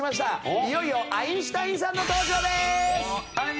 いよいよアインシュタインさんの登場です。